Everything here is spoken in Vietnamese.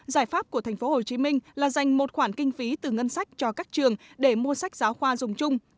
giải pháp của tp hcm là dành một khoản kinh phí từ ngân sách cho các trường để mua sách giáo khoa dùng chung